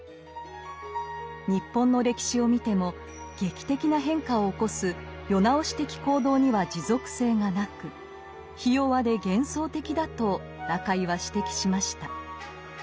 日本の歴史を見ても劇的な変化を起こす「世直し」的行動には持続性がなくひ弱で幻想的だと中井は指摘しました。